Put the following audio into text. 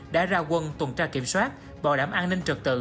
đã ra quân tuần tra kiểm soát bảo đảm an ninh trật tự